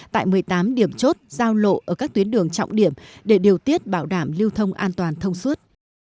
tại một mươi tám điểm chốt giao lộ ở các tuyến đường trọng điểm để điều tiết bảo đảm lưu thông an toàn thông suốt